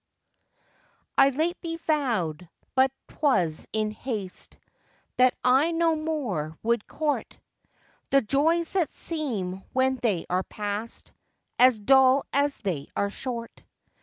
I lately vow'd, but 'twas in haste, That I no more would court The joys that seem when they are past As dull as they are short.